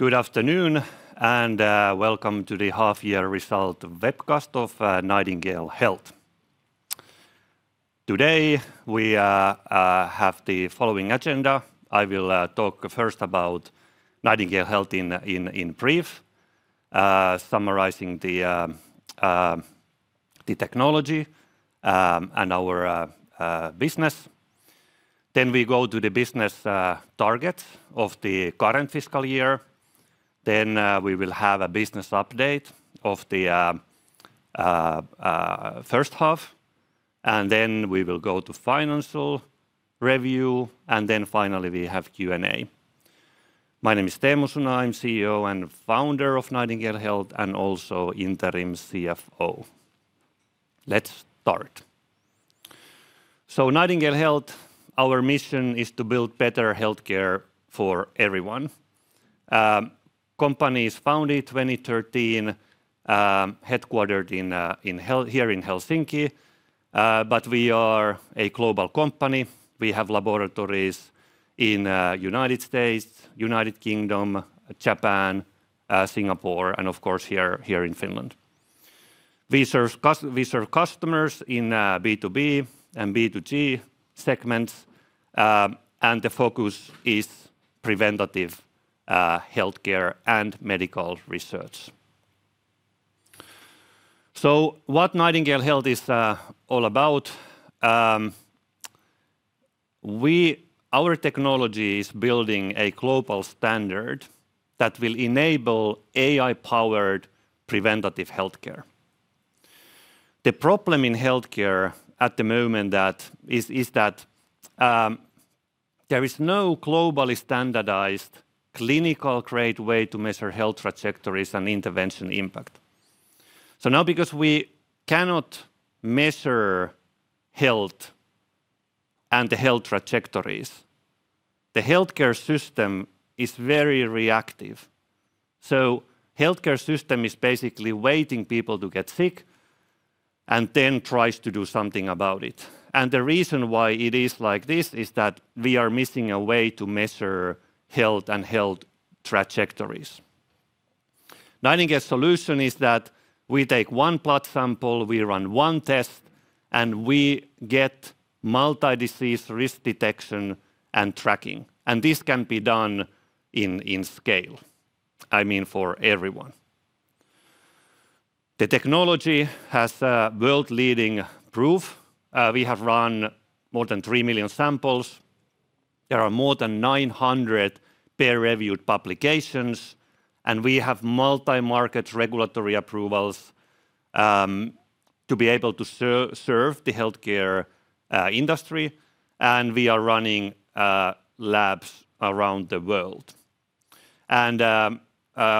Good afternoon, and welcome to the half-year results webcast of Nightingale Health. Today, we’ll cover the following agenda: I’ll start with a brief overview of Nightingale Health, including our technology and business. Then we’ll move to our business targets for the current fiscal year, followed by a business update for the first half. After that, we’ll go through a financial review, and finally, we’ll have a Q&A session. My name is Teemu Suna. I’m the CEO and founder of Nightingale Health, and I’m also acting as interim CFO. Let’s start. Nightingale Health’s mission is to build better healthcare for everyone. The company was founded in 2013 and is headquartered here in Helsinki, but we operate globally. We have laboratories in the United States, United Kingdom, Japan, Singapore, and of course, Finland. We serve customers in both B2B (business-to-business) and B2G (business-to-government) segments, focusing on preventative healthcare and medical research. Our technology is building a global standard to enable AI-powered preventative healthcare. The current problem in healthcare is that there is no globally standardized, clinical-grade method to measure health trajectories and intervention impact. Without this, the healthcare system is largely reactive—it waits for people to get sick and then intervenes. This happens because we lack a way to measure health consistently and track health trajectories.globally standardized clinical grade way to measure health trajectories and intervention impact. Now because we cannot measure health and the health trajectories, the healthcare system is very reactive. Healthcare system is basically waiting people to get sick and then tries to do something about it. The reason why it is like this is that we are missing a way to measure health and health trajectories. Our solution is simple: we take one blood sample, run one test, and provide multi-disease risk detection and tracking. This can be scaled to serve everyone. Our technology is proven: we’ve processed over three million samples, contributed to over 900 peer-reviewed publications, and obtained regulatory approvals in multiple markets.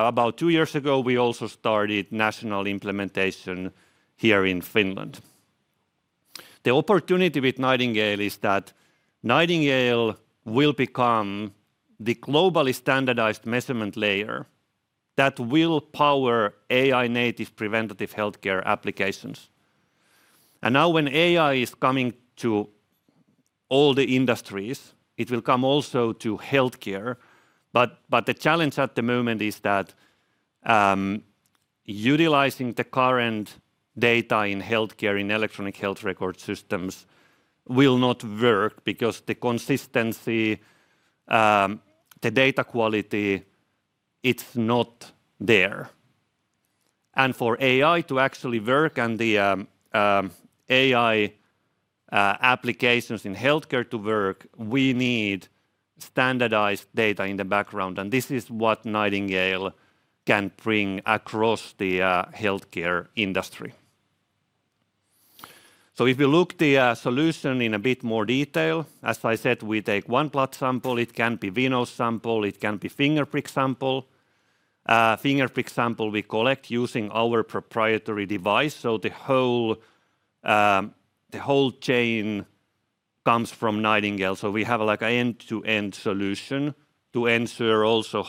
About two years ago, we began national implementation here in Finland. The opportunity for Nightingale is to become the globally standardized measurement layer powering AI-native preventative healthcare applications. As AI becomes part of every industry, it will also enter healthcare. But current healthcare data, like that in electronic health records, is inconsistent and low quality. For AI applications to work effectively, we need standardized data—and that’s exactly what Nightingale provides. Our process is simple: we take one blood sample, either venous or finger-prick, using our proprietary device. The entire chain—from collection to results—comes from Nightingale, ensuring high quality. Our end-to-end solution guarantees reliable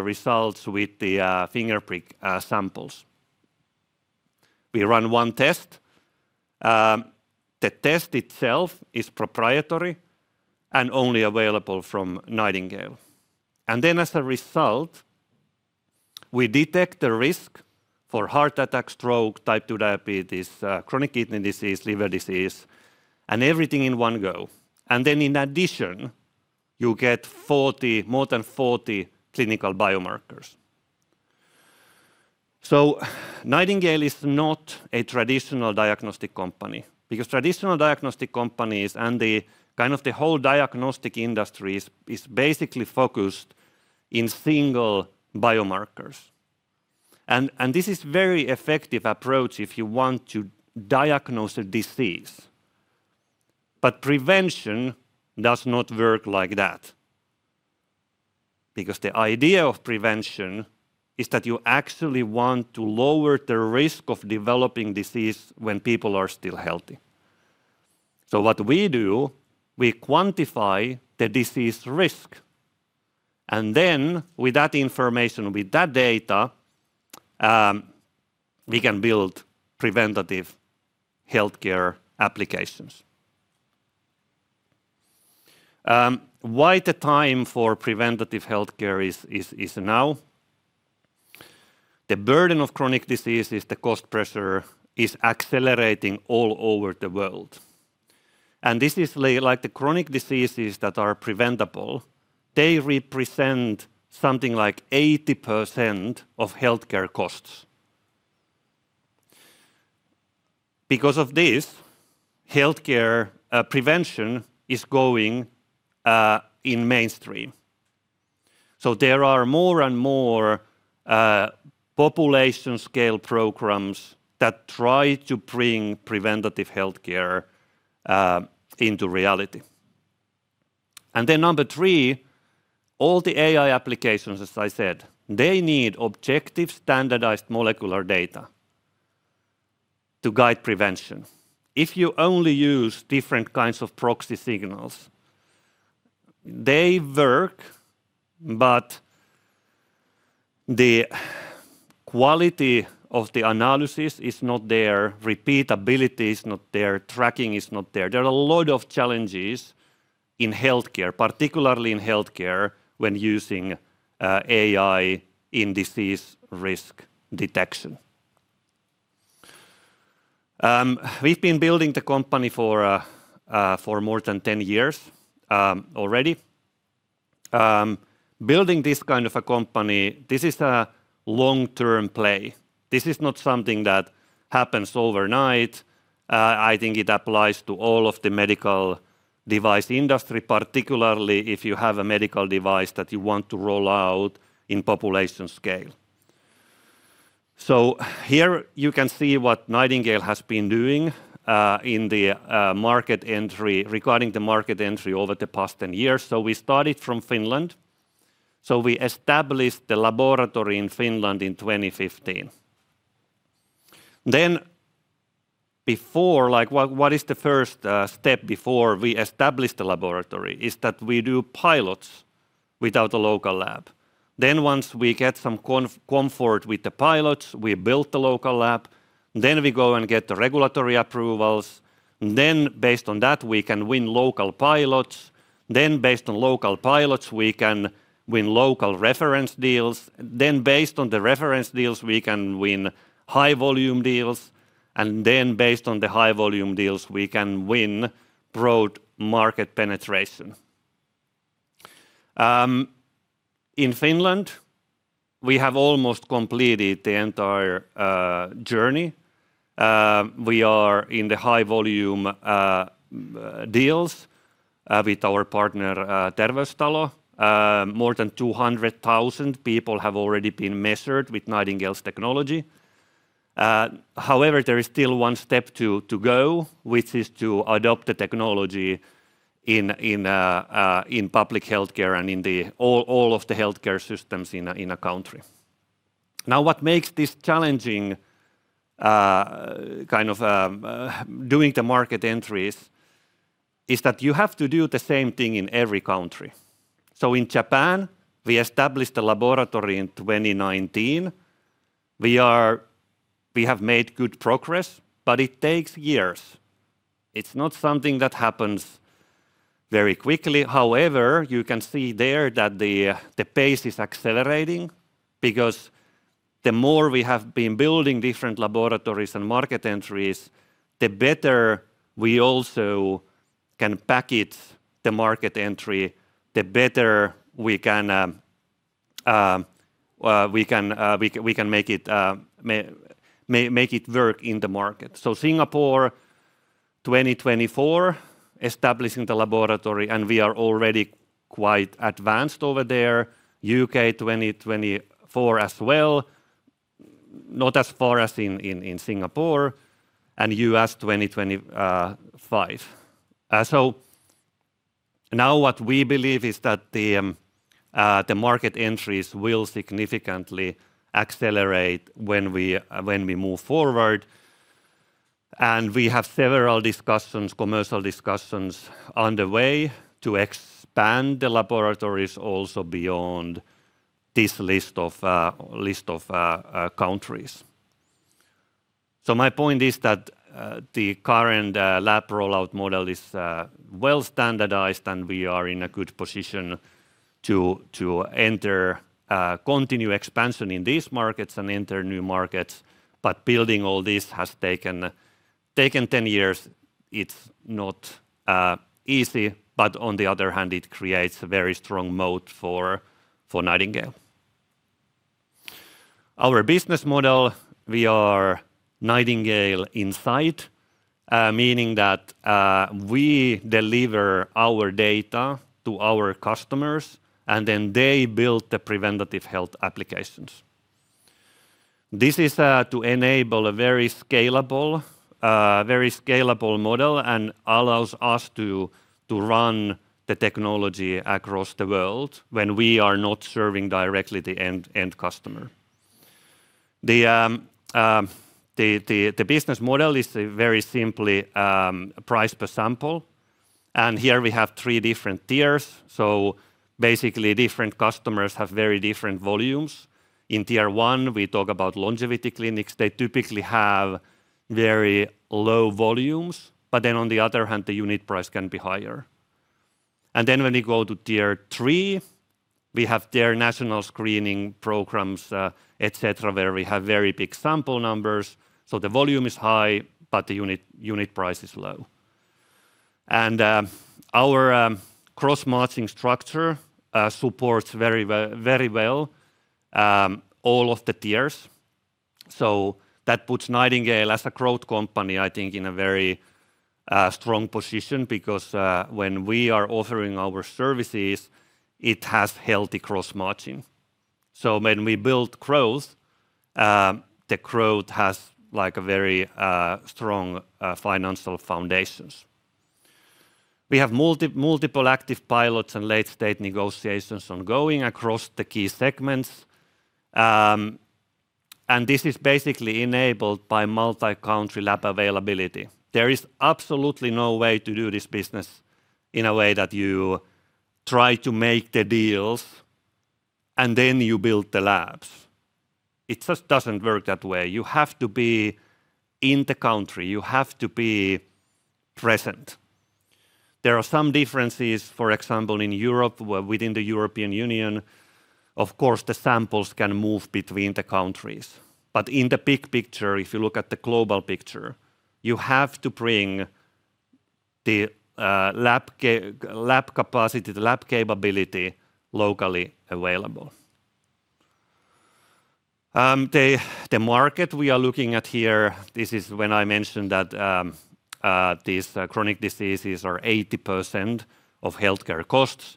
results even from finger-prick samples. We run a single proprietary test that identifies risks for heart attack, stroke, type 2 diabetes, chronic kidney disease, and liver disease—all at once. It also provides over 40 clinical biomarkers. Unlike traditional diagnostic companies, which focus on single biomarkers to diagnose disease, Nightingale focuses on prevention. Prevention works differently—you want to lower disease risk while people are still healthy, not just diagnose after illness occurs. We quantify disease risk and use that data to build preventative healthcare applications. The timing for preventative healthcare is now because chronic diseases, which are largely preventable, account for about 80% of healthcare costs worldwide. Governments and healthcare providers are increasingly investing in population-scale prevention programs. AI applications, as mentioned, require objective, standardized molecular data to guide prevention. Proxy signals alone aren’t sufficient—they lack repeatability, tracking, and quality. There are many challenges in healthcare, especially when applying AI for disease risk detection. Nightingale has been building this company for over ten years. Establishing a population-scale medical device company is a long-term effort—it doesn’t happen overnight. Here’s our market entry journey over the past decade: we started in Finland, piloted our technology, then established a laboratory in 2015. Pilots helped us gain confidence, followed by regulatory approvals, reference deals, high-volume deals, and finally broad market penetration. In Finland, we are almost at full-scale adoption. Over 200,000 people have been measured using Nightingale’s technology, particularly with our partner, Terveystalo. The final step is integrating our technology into public healthcare systems. Market entry is challenging because it must be repeated in every country. In Japan, we established a lab in 2019 and have made good progress, though it takes years. Singapore and the UK labs opened in 2024, and the US lab in 2025. What makes this challenging doing the market entries is that you have to do the same thing in every country. In Japan, we established a laboratory in 2019. We have made good progress, but it takes years. It's not something that happens very quickly. You can see there that the pace is accelerating because the more we have been building different laboratories and market entries, the better we also can package the market entry, the better we can make it work in the market. Singapore, 2024, establishing the laboratory, and we are already quite advanced over there. UK, 2024 as well, not as far as in Singapore, and US, 2025. Now, we believe that market entries will accelerate significantly as we move forward. We have several commercial discussions underway to expand our laboratories beyond this list of countries. The current lab rollout model is well-standardized, which puts us in a strong position to continue expanding in these markets and enter new ones. Building all of this has taken 10 years—it hasn’t been easy—but it has created a very strong moat for Nightingale. Our business model, Nightingale Insight, means we deliver our data to customers, and they build preventative health applications on top of it. This enables a very scalable model and allows us to run our technology globally, even when we’re not serving the end customer directly. Our business model is simple: price per sample. We have three tiers, designed for different customer volumes. In Tier 1, we have longevity clinics—they typically handle low volumes, but the unit price can be higher. By Tier 3, we have national screening programs and similar large-scale customers. Here, the volume is high, but the unit price is lower. Our gross margin structure supports all three tiers very effectively. That puts Nightingale in a very strong growth position. Our services deliver healthy gross margins, and when we build growth, it rests on a strong financial foundation. We have multiple active pilots and late-stage negotiations across key segments. This is enabled by multi-country lab availability—there’s no way to run this business by making deals first and then building labs. You have to be in the country, present on the ground. There are some differences, for example, in Europe, where within the EU, samples can move between countries. In the big picture, if you look at the global picture, you have to bring the lab capability locally available. The market we are looking at here, this is when I mentioned that these chronic diseases are 80% of healthcare costs.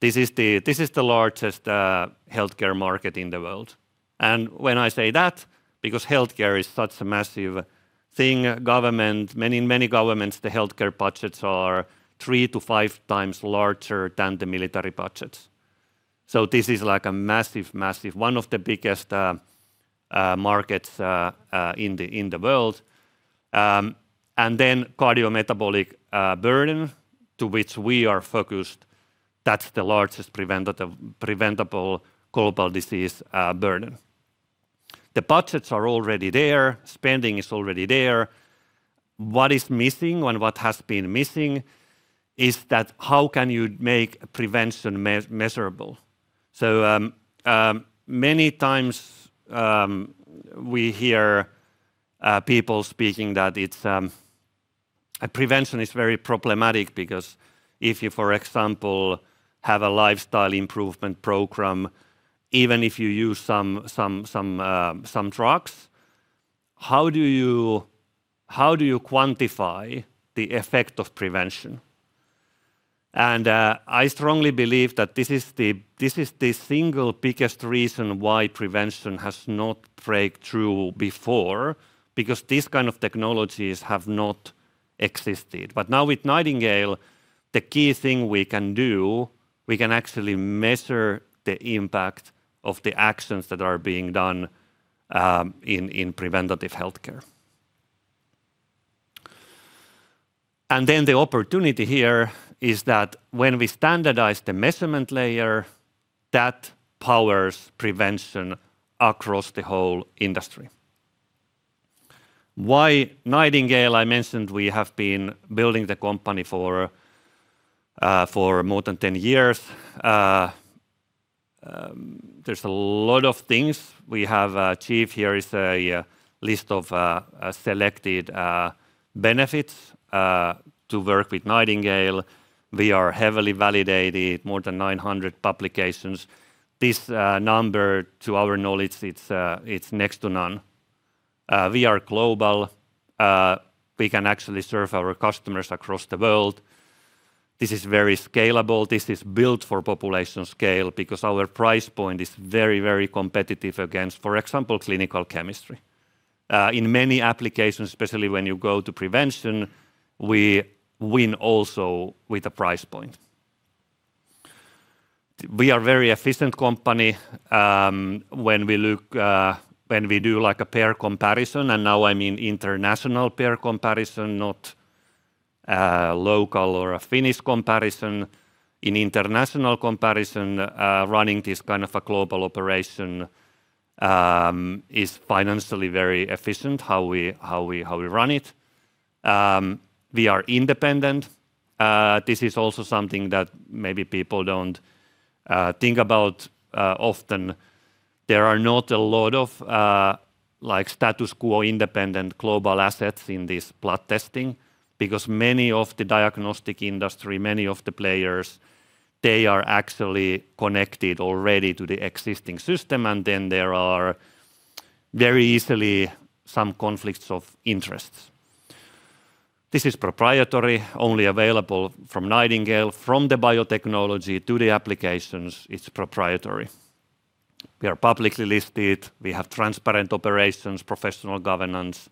This is the largest healthcare market in the world. When I say that, because healthcare is such a massive thing, many governments, the healthcare budgets are 3 to 5 times larger than the military budgets. This is like a massive, one of the biggest markets in the world. Cardiometabolic burden, to which we are focused, that's the largest preventable global disease burden. The budgets are already there. Spending is already there. What is missing and what has been missing is how can you make prevention measurable? Many times, we hear people speaking that prevention is very problematic because, for example, if you have a lifestyle improvement program, even if you use some drugs, how do you quantify the effect of prevention? I strongly believe that this is the single biggest reason why prevention has not broken through before, because these kinds of technologies have not existed. Now with Nightingale, the key thing we can do is we can actually measure the impact of the actions that are being done in preventative healthcare. The opportunity here is that when we standardize the measurement layer, that powers prevention across the whole industry. Why Nightingale? I mentioned we have been building the company for more than 10 years. There are a lot of things we have achieved. Here is a list of selected benefits to work with Nightingale. We are heavily validated, with more than 900 publications. This number, to our knowledge, is next to none. We are global. We can actually serve our customers across the world. This is very scalable. This is built for population scale because our price point is very, very competitive against, for example, clinical chemistry. In many applications, especially when you go to prevention, we win also with the price point. We are a very efficient company. When we do a peer comparison—and I mean international peer comparison, not local or Finnish comparison— In international comparison, running this kind of global operation is financially very efficient. We are independent. This is also something people may not think about often. There are not a lot of status-quo independent global assets in blood testing, because many diagnostic industry players are already connected to existing systems, and there are very easily conflicts of interest. This is proprietary, only available from Nightingale—from the biotechnology to the applications. We are publicly listed. We have transparent operations, professional governance,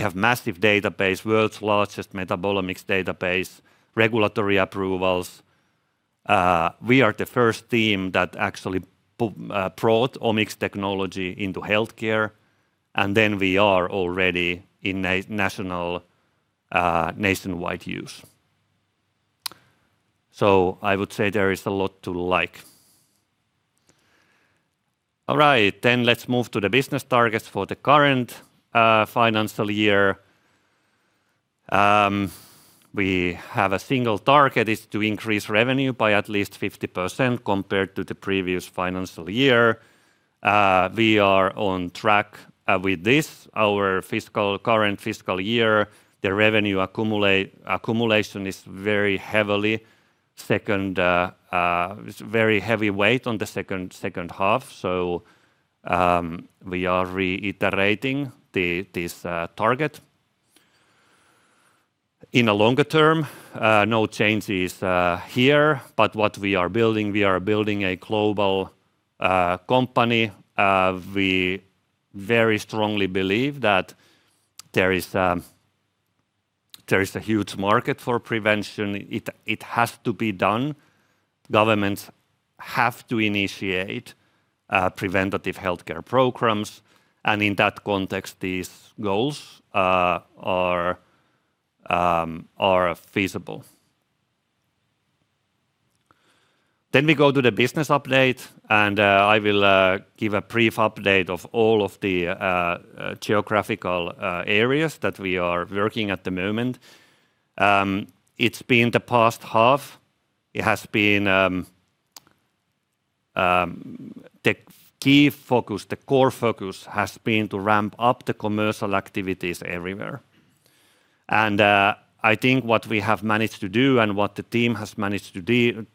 a massive database—the world’s largest metabolomics database—and regulatory approvals. We are the first team that actually brought omics technology into healthcare, and we are already in nationwide use. I would say there is a lot to like. All right, let's move to the business targets for the current financial year. We have a single target: to increase revenue by at least 50% compared to the previous financial year. We are on track with this. Our current fiscal year revenue accumulation is heavily weighted in the second half. We are reiterating this target. In the longer term, no changes here, but what we are building is a global company. We strongly believe there is a huge market for prevention. It has to be done. Governments have to initiate preventative healthcare programs, and in that context, these goals are feasible. We go to the business update. I will give a brief update of all the geographical areas we are working in at the moment. The past half has been the key focus; the core focus has been to ramp up commercial activities everywhere. I think what we have managed to do, and what the team has managed to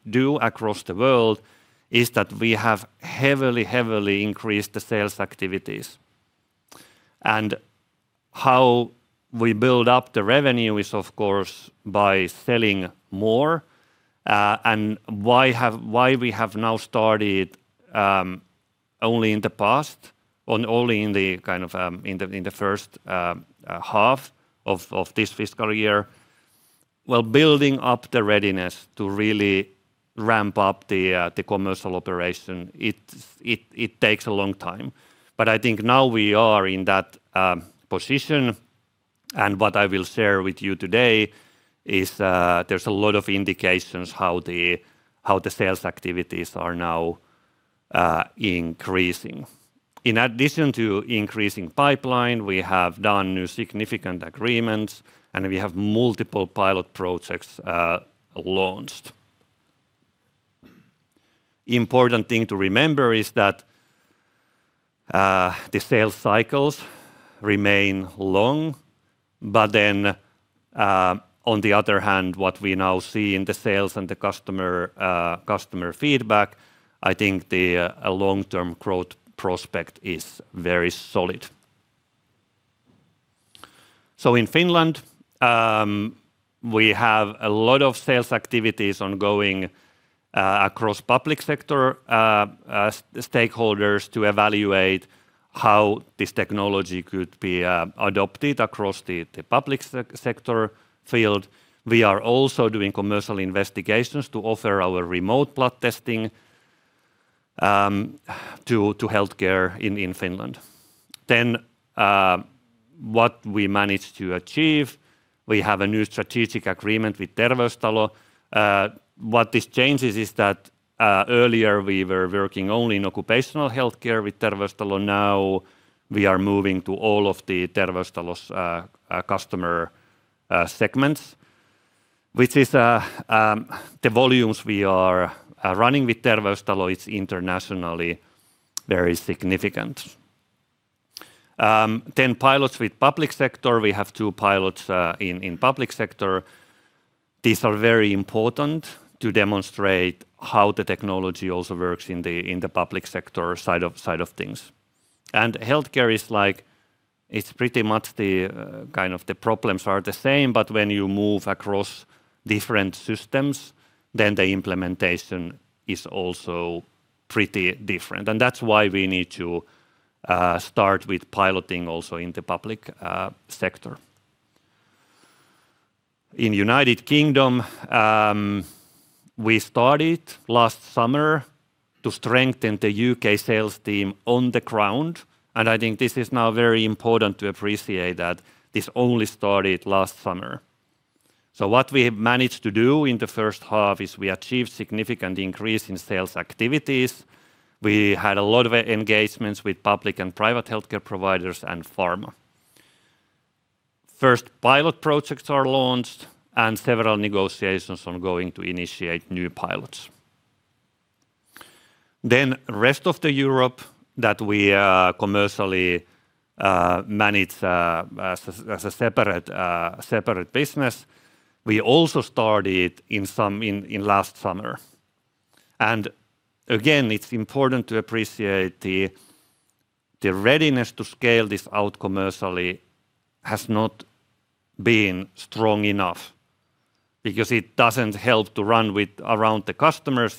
do across the world, is heavily increase sales activities. How we build up the revenue is, of course, by selling more. Why we have only started in the past half of this fiscal year is because building readiness to really ramp up the commercial operation takes a long time. I think now we are in that position. What I will share with you today is that there are many indications that sales activities are now increasing. In addition to increasing the pipeline, we have made new significant agreements and launched multiple pilot projects. An important thing to remember is that the sales cycles remain long, but on the other hand, what we now see in sales and customer feedback indicates that the long-term growth prospect is very solid. In Finland, we have a lot of sales activities ongoing across the public sector, evaluating how this technology could be adopted. We are also doing commercial investigations to offer our remote blood testing to healthcare in Finland. We managed to achieve a new strategic agreement with Terveystalo. Previously, we were working only in occupational healthcare with Terveystalo. Now we are moving to all of Terveystalo's customer segments. The volumes we are running with Terveystalo are internationally very significant. We have two pilots in the public sector. These are very important to demonstrate how the technology works on the public sector side. Healthcare problems are largely similar, but implementation differs across systems. That’s why we need to start with piloting in the public sector. In the United Kingdom, we started last summer to strengthen the U.K. sales team on the ground, which is now very important to appreciate because this only started last summer. In the first half, we achieved a significant increase in sales activities. We had many engagements with public and private healthcare providers and pharma. First pilot projects were launched, and several negotiations are underway to initiate new pilots. For the rest of Europe, which we manage as a separate business, we also started some activities last summer. Again, it's important to appreciate that readiness to scale commercially has not been strong enough before because it doesn’t help to engage customers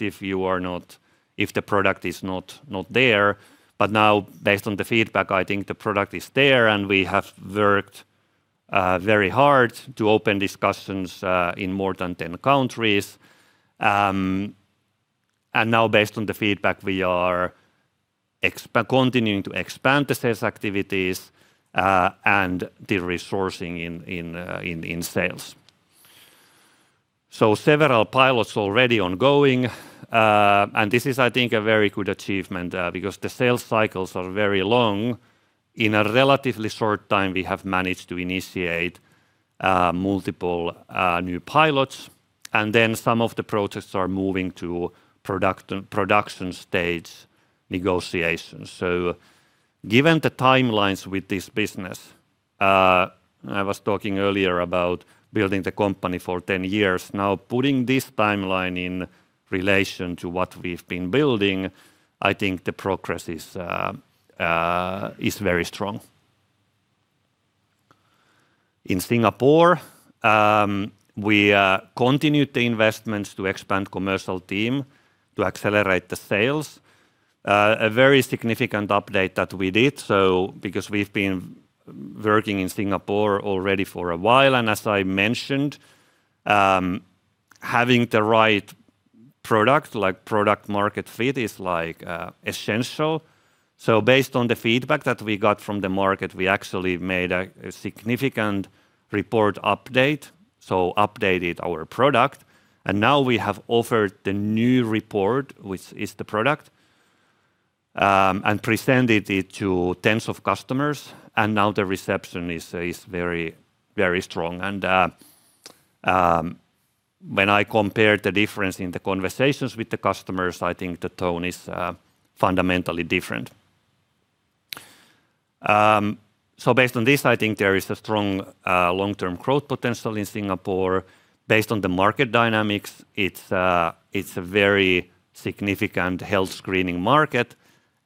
if the product is not ready. Now, based on feedback, the product is there, and we have worked hard to open discussions in more than 10 countries. Based on feedback, we are continuing to expand sales activities and resourcing in sales. Several pilots are already ongoing. This is a very good achievement because sales cycles are very long. In a relatively short time, we have managed to initiate multiple new pilots, and some projects are moving to product-production stage negotiations. Considering the timelines of this business, and putting this in relation to the 10 years we’ve been building, the progress is very strong. In Singapore, we continued investments to expand the commercial team to accelerate sales. A very significant update is that because we have been working in Singapore for a while, and as I mentioned, having the right product-market fit is essential. Based on market feedback, we made a significant product update. We have now offered the new report as the product and presented it to tens of customers. The reception is very strong. Comparing the conversations with customers, the tone is fundamentally different. Based on this, I see strong long-term growth potential in Singapore. Considering market dynamics, it is a very significant health screening market,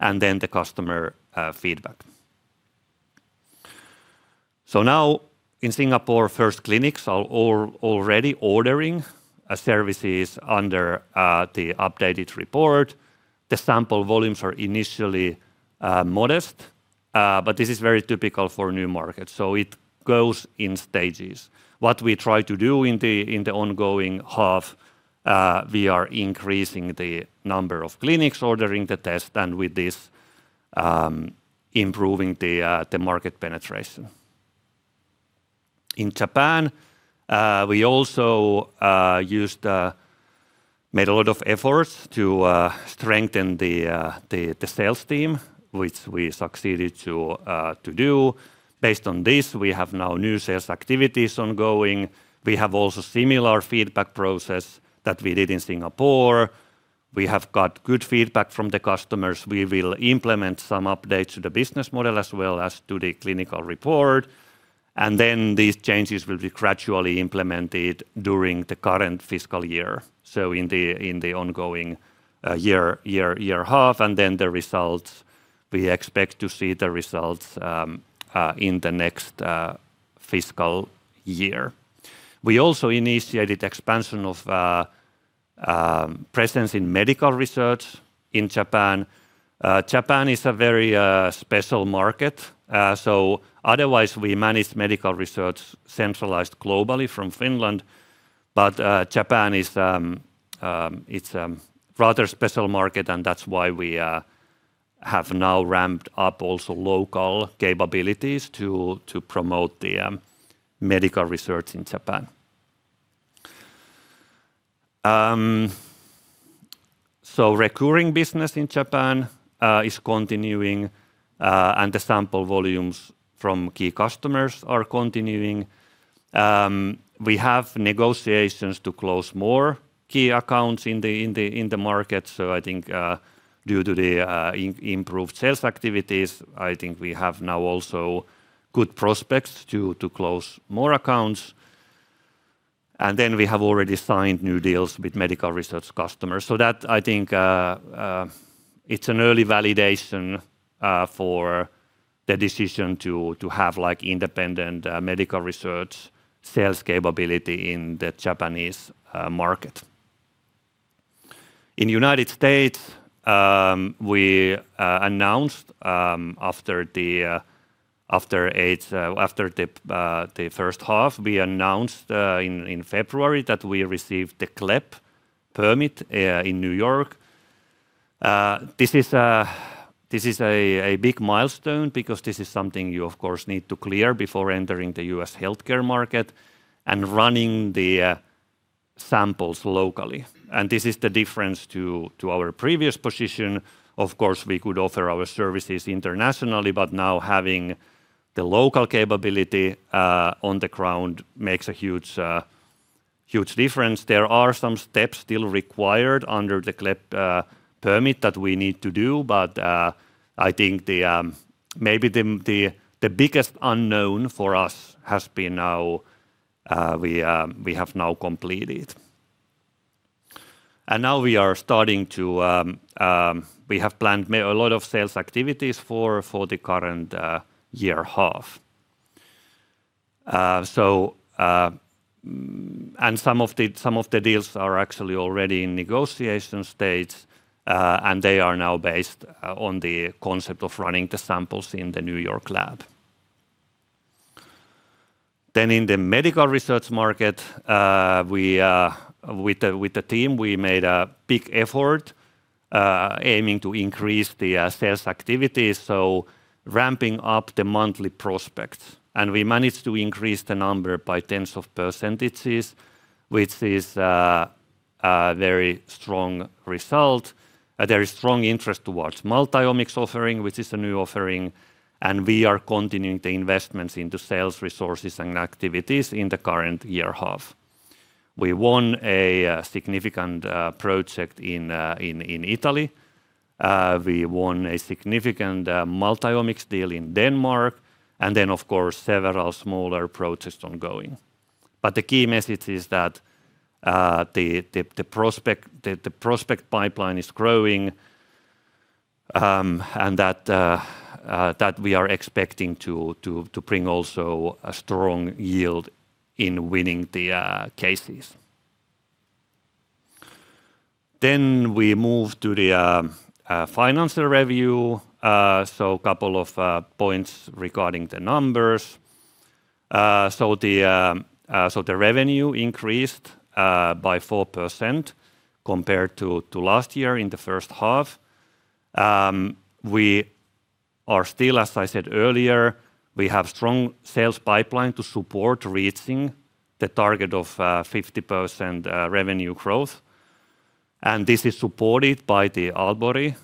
and the customer feedback is very positive. Now in Singapore, first clinics are already ordering services under the updated report. The sample volumes are initially modest, but this is typical for new markets, so it goes in stages. In the ongoing half, we are increasing the number of clinics ordering the test, improving market penetration. In Japan, we made a lot of efforts to strengthen the sales team, which we succeeded in doing. Based on this, new sales activities are ongoing. We have a similar feedback process as in Singapore, and we received good feedback from customers. We will implement some updates to the business model as well as the clinical report. These changes will be gradually implemented during the current fiscal year. We expect to see the results in the next fiscal year. We also initiated expansion of presence in medical research in Japan. Japan is a very special market. Otherwise, we manage medical research centrally from Finland, but Japan is special, so we have ramped up local capabilities to promote medical research. Recurring business in Japan continues, and sample volumes from key customers are ongoing. We have negotiations to close more key accounts in the market. Due to improved sales activities, prospects are good to close more accounts. We have already signed new deals with medical research customers. This is early validation for the decision to have independent medical research sales capability in Japan. In the United States, we announced in February that we received the CLEP permit in New York. This is a big milestone because it is required to enter the U.S. healthcare market and run samples locally. This differs from our previous position. We could offer services internationally, but having local capability on the ground makes a huge difference. Some steps are still required under the CLEP permit, but the biggest unknown has now been completed. We have planned many sales activities for the current half. Some deals are already in negotiation and based on running the samples in the New York lab. In the medical research market, we made a big effort to ramp up monthly prospects. We increased the number by tens of percent, showing very strong interest in multiomics, a new offering. We continue investing in sales resources and activities in H1. We won a significant project in Italy, a multiomics deal in Denmark, and have several smaller projects ongoing. The key message is that the prospect pipeline is growing, and we expect strong yield in winning cases. We move to the financial review. Revenue increased by 4% compared to last year in H1. We still have a strong sales pipeline to support reaching the 50% revenue growth target. This is supported by the Aalborg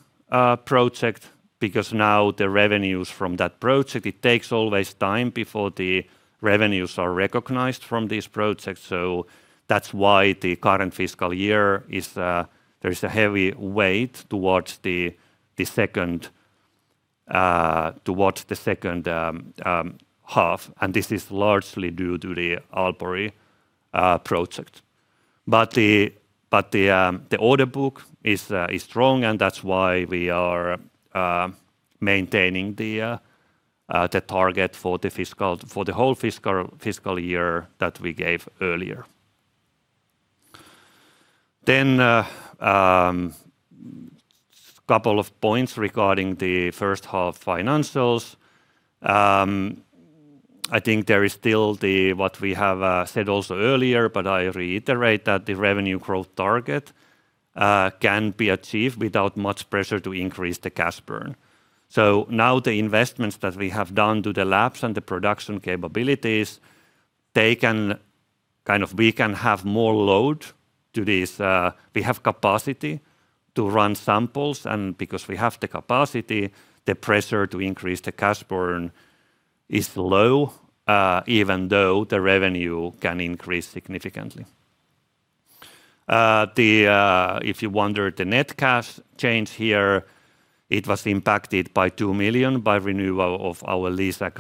project. Revenue from that project takes time to recognize, which is why the current fiscal year is heavily weighted toward H2. This is largely due to the Aalborg project. The order book is strong, so we maintain the target for the full fiscal year. Regarding H1 financials, the revenue growth target can be achieved without much pressure to increase cash burn. Investments in labs and production capabilities allow us to handle more load. We have capacity to run samples, so pressure to increase cash burn is low, even though revenue can increase significantly. The net cash change was impacted by 2 million due to renewal of our headquarters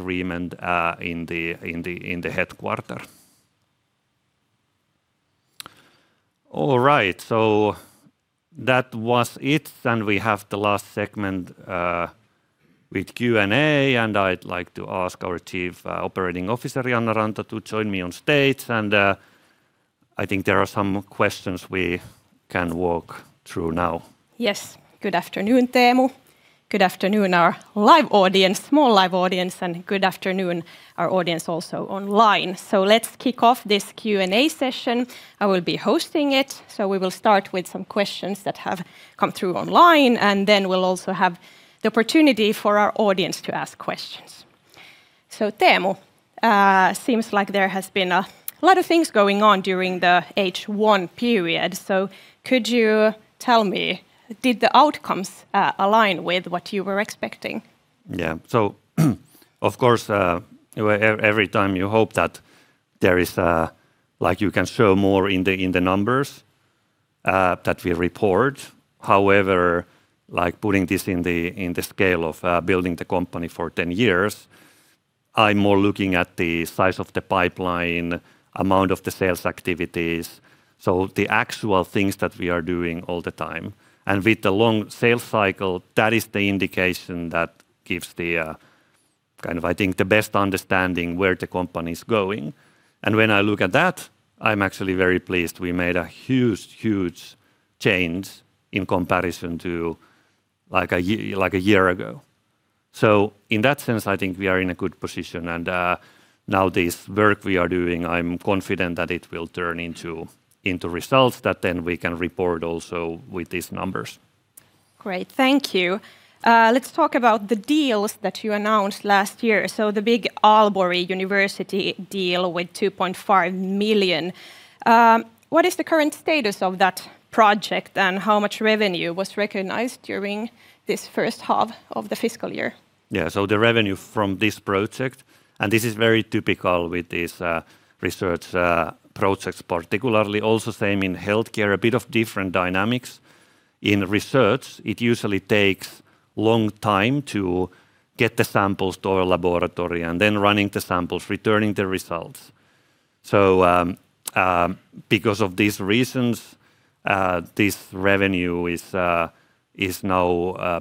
lease. That concludes the segment. We have the last segment with Q&A, and I’d like to ask our Chief Operating Officer, Janna Ranta, to join me on stage. We can now walk through some questions. Good afternoon, Teemu. Good afternoon, our live audience, and good afternoon online. Let's kick off this Q&A session. I will host it, starting with questions online, and then the audience can ask questions. Teemu, a lot has happened during H1; did the outcomes align with your expectations? Of course, you hope to show more in the numbers reported. But considering building the company for 10 years, I focus on pipeline size and sales activities. With the long sales cycle, this gives the best understanding of the company’s direction. Looking at that, I am very pleased. We made huge changes compared to a year ago. In that sense, I think we are in a good position. I am confident that our work will turn into results that we can report numerically. Great. Let’s talk about the deals announced last year, including the Aalborg University deal worth 2.5 million. What is the current status, and how much revenue was recognized in H1? Revenue from this project is typical for research projects. In research, it takes time to get samples to our lab, run them, and return results. Therefore, revenue is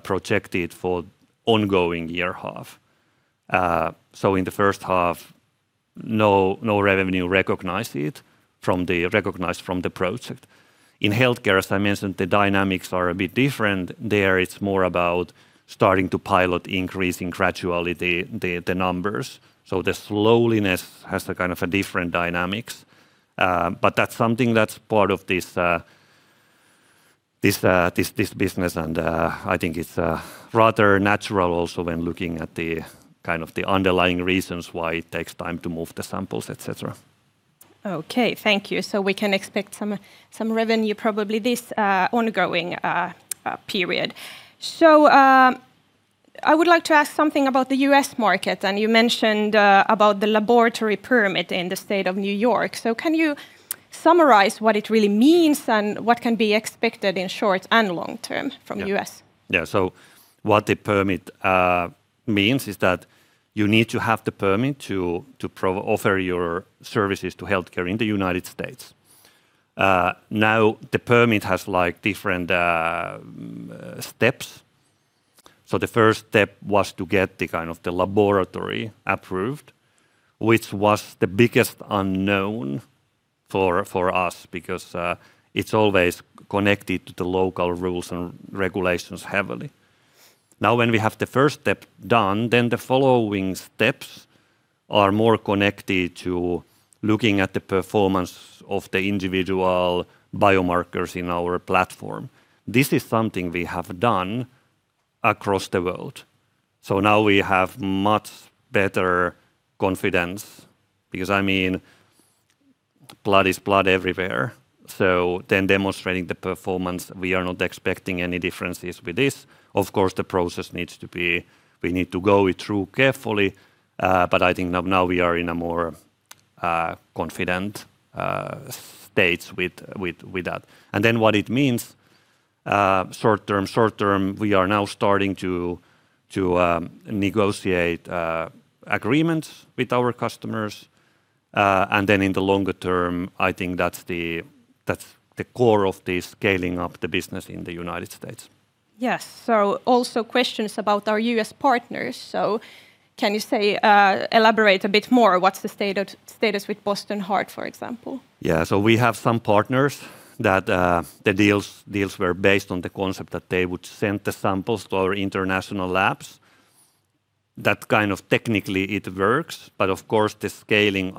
projected for ongoing H1. In healthcare, dynamics differ; it’s more about gradually increasing pilot numbers. The slowness has a kind of a different dynamics, but that's something that's part of this business and, I think it's rather natural also when looking at the kind of the underlying reasons why it takes time to move the samples, et cetera. Okay. Revenue can be expected in this period. Regarding the U.S. market, you mentioned the New York laboratory permit. Can you summarize its meaning and short- and long-term expectations? The permit allows offering services to healthcare in the U.S. The first step was lab approval, the biggest unknown due to local regulations. After that, steps involve performance verification of individual biomarkers, which we’ve done globally. Blood is blood everywhere, so we expect no differences. We proceed carefully. Short term, we are negotiating agreements with customers. Long term, this is core to scaling the U.S. business. Yes. Also questions about U.S. partners. Can you elaborate on the status with Boston Heart, for example? Some partners previously sent samples to international labs. This technically works but limits scaling.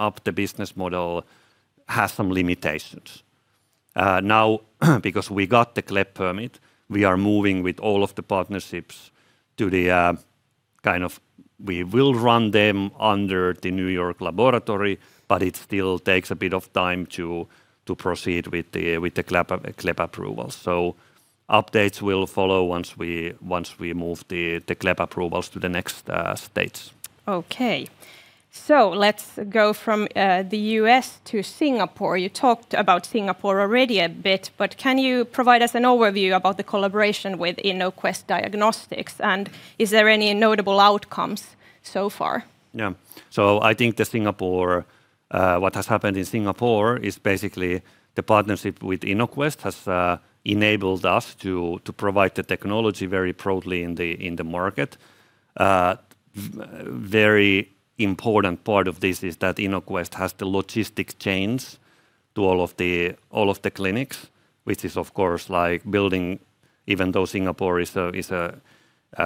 Now, with the CLEP permit, partnerships will run under the New York lab, though it takes time to proceed with CLEP approvals. Updates will follow. Okay. Let’s go from the U.S. to Singapore. You mentioned Singapore earlier. Can you overview the collaboration with Innoquest Diagnostics and notable outcomes? The partnership with Innoquest enabled broad technology deployment in Singapore. Innoquest provides logistics to clinics. Even in a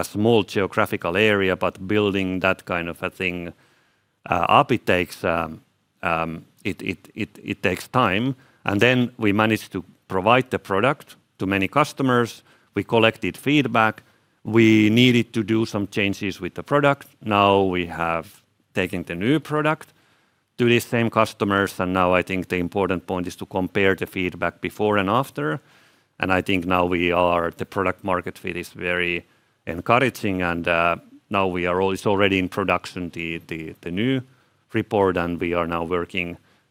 small geography, building this takes time. We provided the product to many customers and collected feedback, leading to some product changes. We delivered the new product to the same customers. Feedback before and after shows the product-market fit is very encouraging. The new report is in production, and we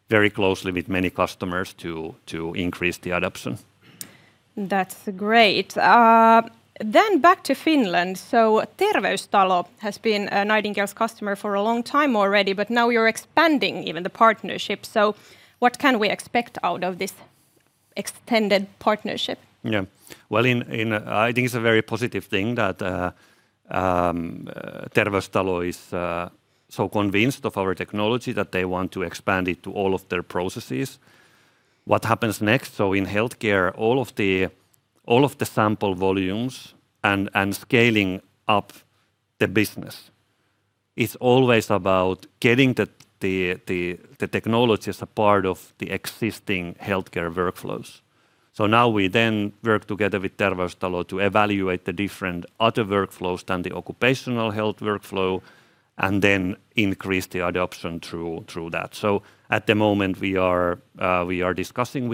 work closely with customers to increase adoption. That's great. Then back to Finland. Terveystalo has been a Nightingale's customer for a long time already, but now you're expanding even the partnership. What can we expect out of this extended partnership? Well, it’s very positive that Terveystalo is convinced of our technology and wants to expand it to all of their processes. In healthcare, scaling up is about integrating the technology into existing workflows. We are working with Terveystalo to evaluate other workflows beyond occupational health and increase adoption. Currently, we are discussing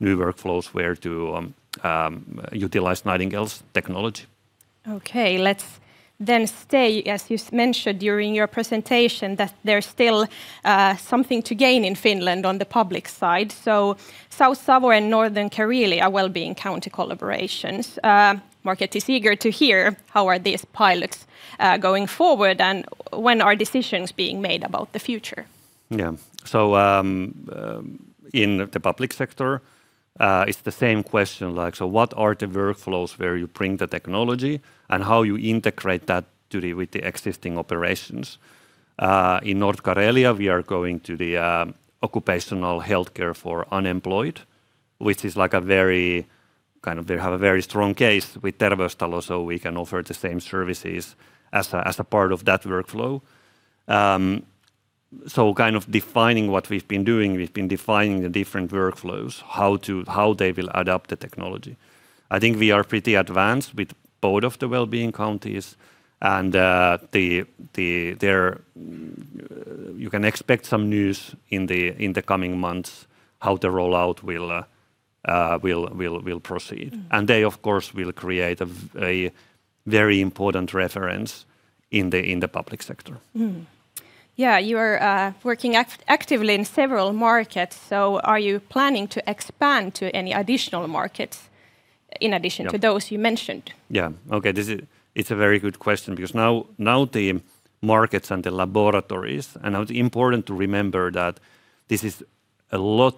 new workflows and where to utilize Nightingale’s technology. You mentioned there’s still something to gain in Finland’s public sector. South Savo and Northern Karelia are wellbeing county collaborations. The market is eager to hear how these pilots are going and when decisions will be made about the future. In the public sector, it’s about which workflows adopt the technology and how it integrates with existing operations. In North Karelia, we are targeting occupational healthcare for the unemployed. They have a strong case with Terveystalo, so we can offer the same services there. We’ve been defining different workflows and how they will adapt the technology. We are quite advanced with both wellbeing counties, and news on the rollout can be expected in the coming months.... They will create a very important reference in the public sector. You are working actively in several markets. Are you planning to expand to any additional markets? Yeah... to those you mentioned? Yeah. That’s a good question. The markets and laboratories are important, as this is very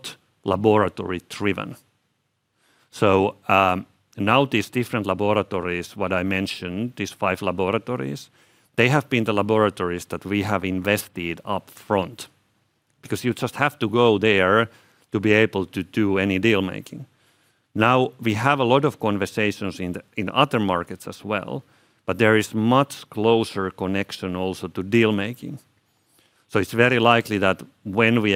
laboratory-driven. The five laboratories we’ve invested in upfront allow us to make deals. We also have conversations in other markets, with closer connection to deal making.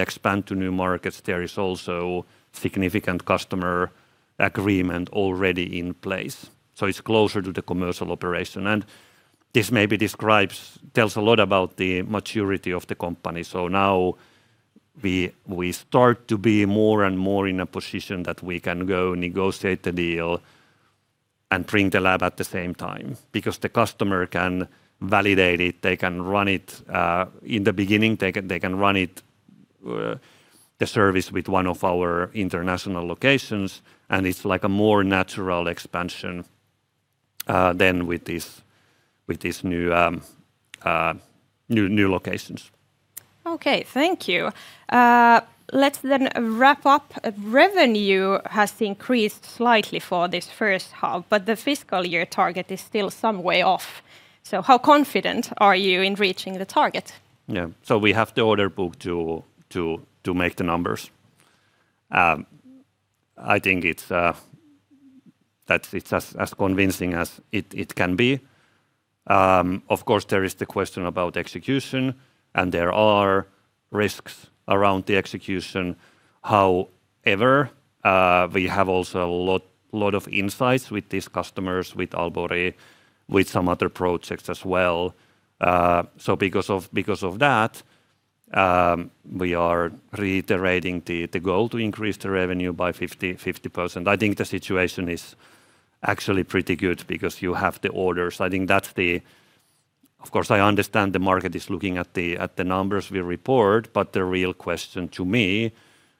Expanding to new markets often means significant customer agreements are already in place, which brings the lab closer to commercial operations. This highlights the maturity of the company. Now we are increasingly in a position to negotiate deals and bring the lab at the same time. Customers can validate it by running the service at one of our international locations. This makes expansion more natural than with new locations alone. Okay. Revenue has increased slightly in H1, but the fiscal year target is still some way off. How confident are you in reaching the target? We have the order book to reach the numbers. Execution risks exist, but we have insights from customers, Aalborg, and other projects. We are reiterating the goal to increase revenue by 50%. Orders are in place, which is the real question behind reported numbers....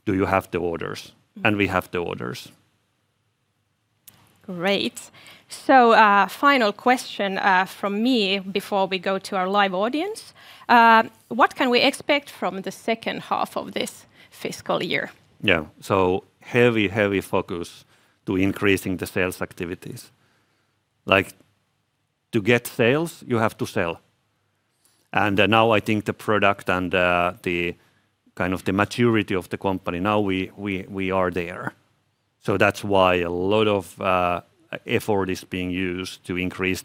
We have the orders. Great. Final question, from me before we go to our live audience. What can we expect from the second half of this fiscal year? Heavy focus on increasing sales activities. The product and company maturity are now at the right level. Effort is being used to increase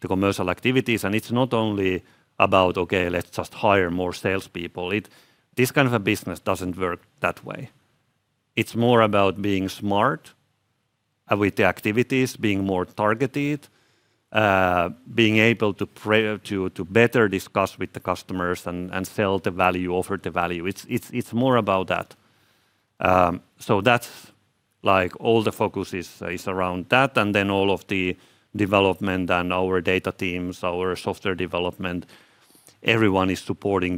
commercial activities. It’s not just hiring more salespeople; success requires targeted, smart activities, better discussions with customers, and selling the value. That’s the main focus. All development and data teams, including software development, support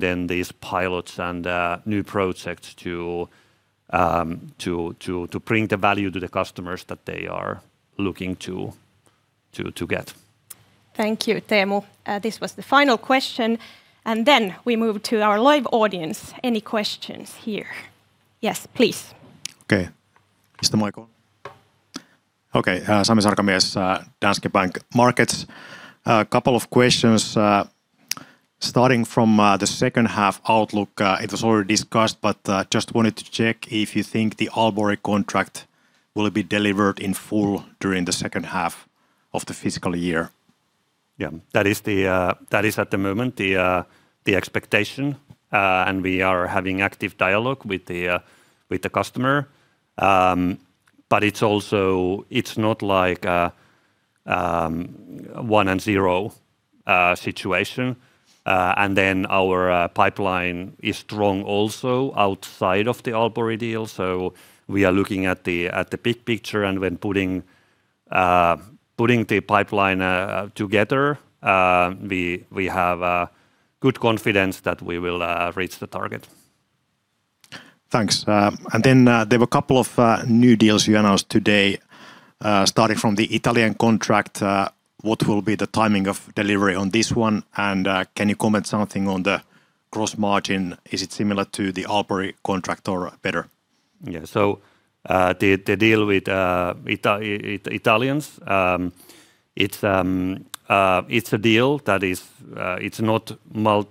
pilots and new projects to deliver value to customers. Thank you, Teemu. This was the final question, and then we move to our live audience. Any questions here? Yes, please. Okay. Is the mic on? Sami Sarkamies, Danske Bank Markets. A couple of questions, starting with H2 outlook. Already discussed, but do you think the Aalborg contract will be delivered in full during H2? Yes, that is currently the expectation. We are in active dialogue with the customer. It’s not binary. Our pipeline outside Aalborg is also strong, so we have good confidence in reaching the target. Thanks. You announced new deals today, starting with the Italian contract. What is the timing of delivery, and how does the gross margin compare to Aalborg? The Italian deal is not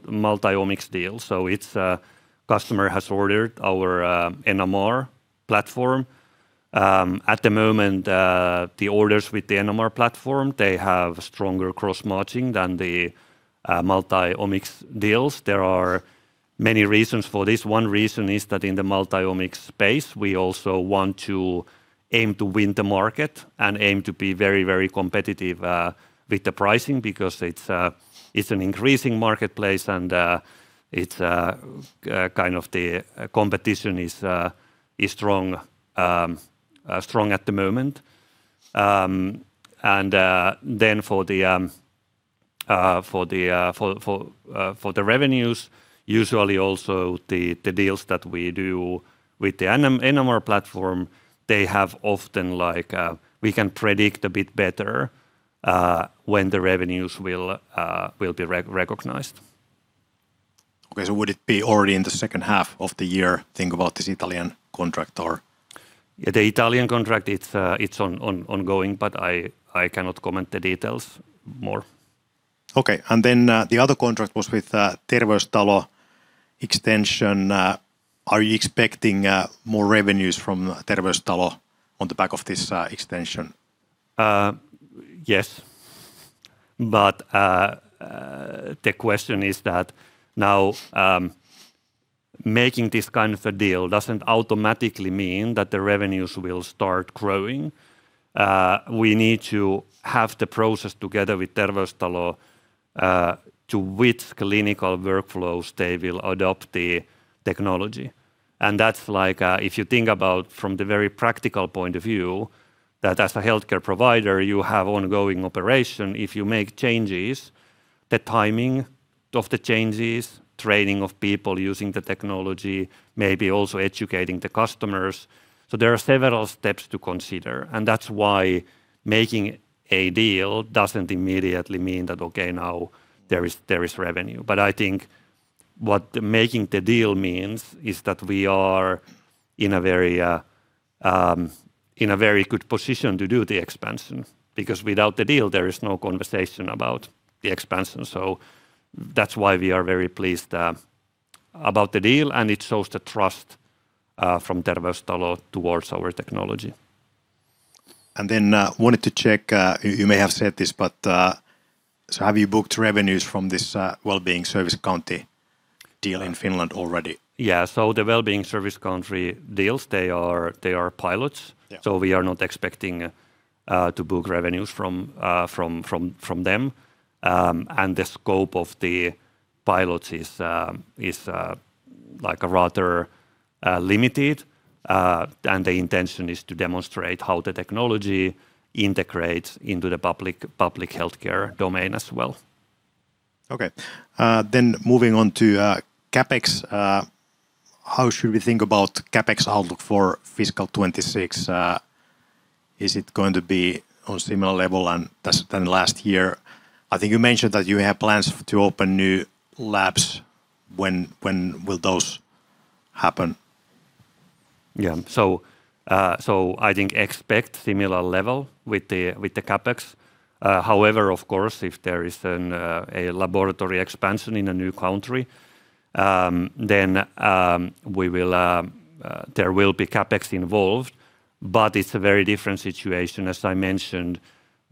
multiomics; the customer ordered our NMR platform. Orders with the NMR platform have stronger cross-matching than multiomics deals. In multiomics, we aim to win the market and stay competitive with pricing due to strong competition. Deals with the NMR platform often allow us to better predict when revenue will be recognized. Would this Italian contract be recognized already in H2? The Italian contract, it's on ongoing, but I cannot comment the details more. The other contract was the Terveystalo extension. Are you expecting more revenue from this extension? Yes. Making the deal doesn’t automatically grow revenue. We need to align with Terveystalo on clinical workflows adopting the technology. Healthcare operations are ongoing, so timing of changes, training staff, and educating customers take time. Multiple steps must be considered, so a deal doesn’t immediately generate revenue. I think what making the deal means is that we are in a very good position to do the expansion because without the deal, there is no conversation about the expansion. That's why we are very pleased about the deal, and it shows the trust from Terveystalo towards our technology. Wanted to check, you may have said this, have you booked revenues from this, wellbeing services county deal in Finland already? Yeah. The wellbeing services county deals, they are pilots. Yeah. We are not expecting to book revenues from them. The scope of the pilots is like rather limited, and the intention is to demonstrate how the technology integrates into the public healthcare domain as well. Okay. Moving on to CapEx, how should we think about CapEx outlook for fiscal '26? Is it going to be on similar level than last year? I think you mentioned that you have plans to open new labs. When will those happen? Yeah. I think expect similar level with the CapEx. However, of course, if there is an a laboratory expansion in a new country, then there will be CapEx involved, but it's a very different situation, as I mentioned.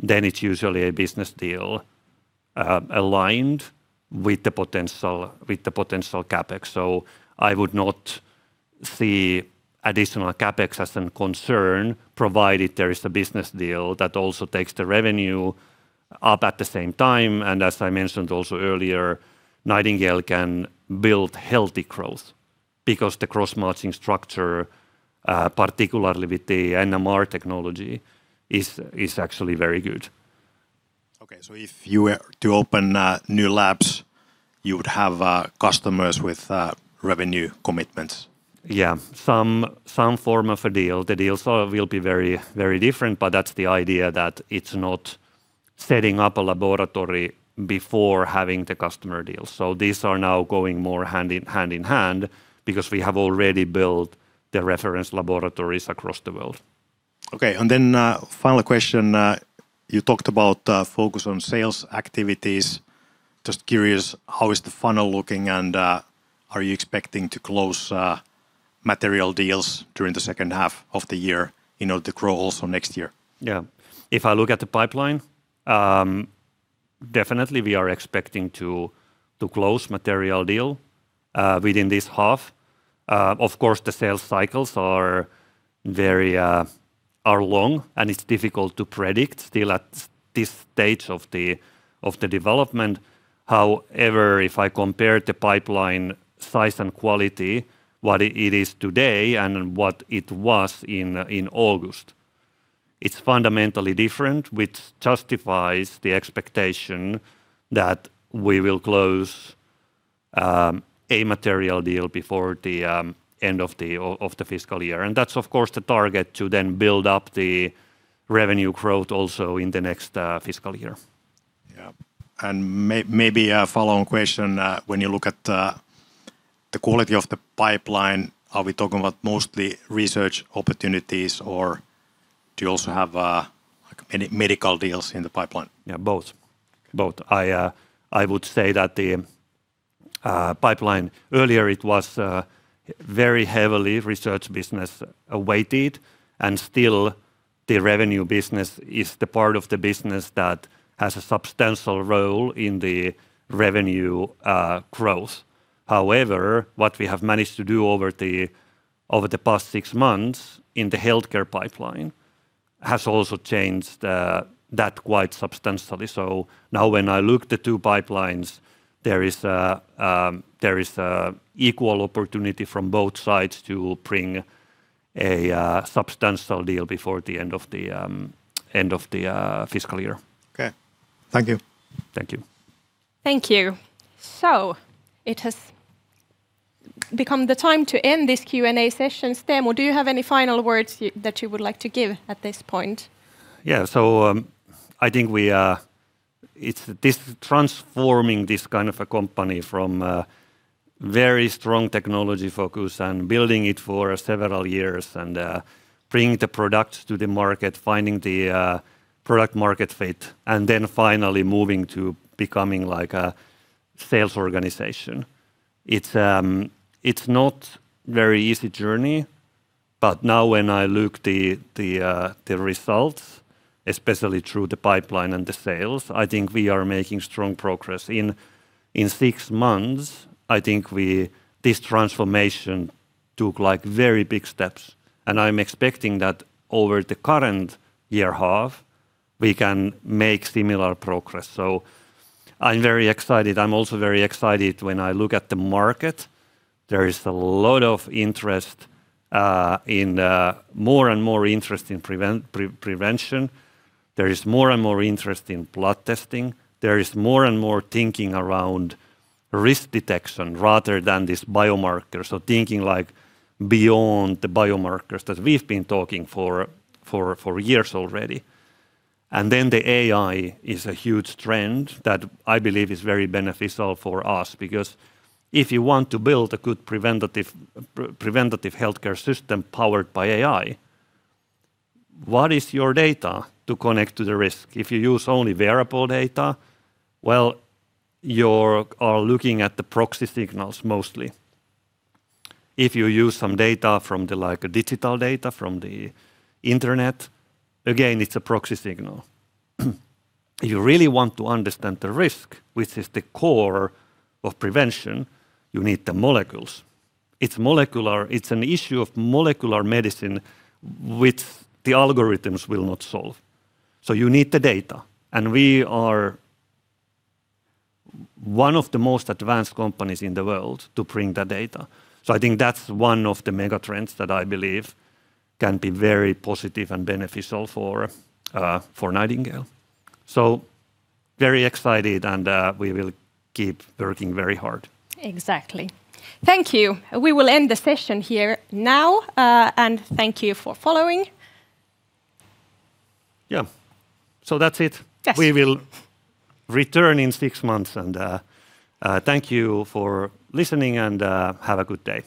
It's usually a business deal, aligned with the potential CapEx. I would not see additional CapEx as an concern, provided there is a business deal that also takes the revenue up at the same time. As I mentioned also earlier, Nightingale can build healthy growth because the cross-matching structure, particularly with the NMR technology, is actually very good. Okay. If you were to open, new labs, you would have, customers with, revenue commitments? Some form of a deal. The deals will be very different, but that's the idea that it's not setting up a laboratory before having the customer deals. These are now going more hand in hand because we have already built the reference laboratories across the world. Okay. Final question, you talked about focus on sales activities. Just curious, how is the funnel looking, and are you expecting to close material deals during the second half of the year in order to grow also next year? Yeah. If I look at the pipeline, definitely we are expecting to close material deal within this half. Of course, the sales cycles are very long, and it's difficult to predict still at this stage of the, of the development. However, if I compare the pipeline size and quality, what it is today and what it was in August, it's fundamentally different, which justifies the expectation that we will close a material deal before the end of the, of the fiscal year. That's, of course, the target to then build up the revenue growth also in the next fiscal year. Yeah. Maybe a follow-on question. When you look at, the quality of the pipeline, are we talking about mostly research opportunities or do you also have, like medical deals in the pipeline? Yeah, Both. I would say that the pipeline, earlier it was very heavily research business weighted, and still the revenue business is the part of the business that has a substantial role in the revenue growth. However, what we have managed to do over the past six months in the healthcare pipeline has also changed that quite substantially. Now when I look the two pipelines, there is equal opportunity from both sides to bring a substantial deal before the end of the fiscal year. Okay. Thank you. Thank you. Thank you. It has become the time to end this Q&A session. Teemu Suna, do you have any final words that you would like to give at this point? Yeah. It's this transforming this kind of a company from very strong technology focus and building it for several years and bringing the product to the market, finding the product market fit, and then finally moving to becoming like a sales organization. It's not very easy journey, now when I look the results, especially through the pipeline and the sales, I think we are making strong progress. In 6 months, this transformation took like very big steps. I'm expecting that over the current year half, we can make similar progress. I'm very excited. I'm also very excited when I look at the market. There is a lot of interest in more and more interest in prevention. There is more and more interest in blood testing. There is more and more thinking around risk detection rather than this biomarker. Thinking like beyond the biomarkers that we've been talking for years already. The AI is a huge trend that I believe is very beneficial for us because if you want to build a good preventative healthcare system powered by AI, what is your data to connect to the risk? If you use only variable data, well, you are looking at the proxy signals mostly. If you use some data from the like digital data from the internet, again, it's a proxy signal. You really want to understand the risk, which is the core of prevention, you need the molecules. It's an issue of molecular medicine which the algorithms will not solve. You need the data, and we are one of the most advanced companies in the world to bring the data. I think that's one of the mega trends that I believe can be very positive and beneficial for Nightingale. Very excited, and we will keep working very hard. Exactly. Thank you. We will end the session here now. Thank you for following. Yeah. That's it. Yes. We will return in six months, and, thank you for listening, and, have a good day.